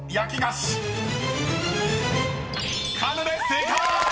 ［正解！］